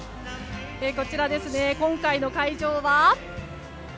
こちら、今回の会場は。